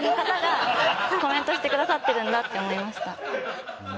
コメントしてくださってるんだって思いました。